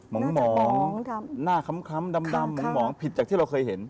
หมองหน้าคล้ำดำหมองผิดจากที่เราเคยเห็น